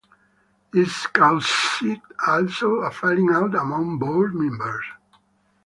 This caused also a falling out among board members.